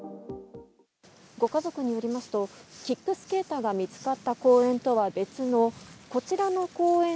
ご家族によりますとキックスケーターが見つかった公園とは別のこちらの公園